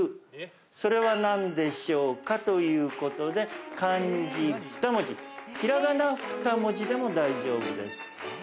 それは何でしょうかということで漢字二文字平仮名二文字でも大丈夫です。